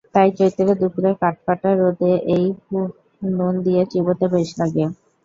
তাই চৈত্রের দুপুরে কাঠফাটা রোদে এই ফল নুন দিয়ে চিবোতে বেশ লাগে।